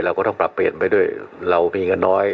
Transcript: ก็ต้องปรับเปลี่ยนไปด้วยเรามีเงินน้อย